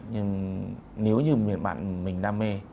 nhưng nếu như bạn mình đam mê